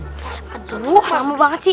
aduh lama banget sih